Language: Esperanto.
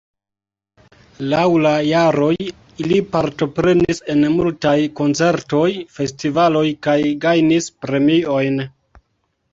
Laŭ la jaroj ili partoprenis en multaj koncertoj, festivaloj kaj gajnis premiojn.